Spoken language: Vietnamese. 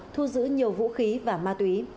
thu giữ nhiều vũ khí và ma túy